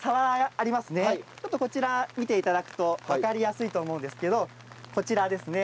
ちょっとこちら見て頂くと分かりやすいと思うんですけどこちらですね。